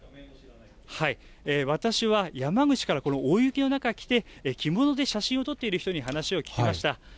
私は山口からこの大雪の中来て、着物で写真を撮っている人に話を聞きました。